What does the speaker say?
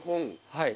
はい。